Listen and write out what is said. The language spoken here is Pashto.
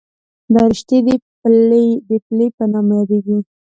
دا رشتې د پلې په نامه یادېږي.